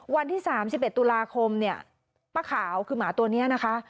วันที่๓๑ตุลาคมเนี่ยป้าขาวคือหมาตัวนี้นะคะ